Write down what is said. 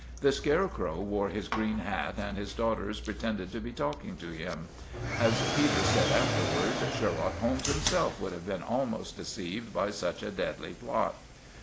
The scarecrow wore his green hat, and his daughters pretended to be talking to him. As Peters said afterwards, Sherlock Holmes himself would have been almost deceived by such a deadly plot.